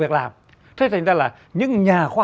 việc làm thế thành ra là những nhà khoa